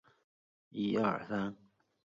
黄色妹妹头。